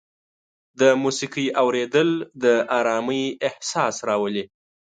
د موسیقۍ اورېدل د ارامۍ احساس راولي.